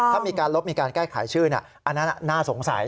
ถ้ามีการลบมีการแก้ไขชื่ออันนั้นน่าสงสัย